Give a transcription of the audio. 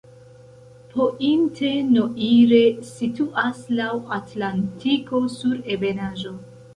Pointe-Noire situas laŭ Atlantiko sur ebenaĵo.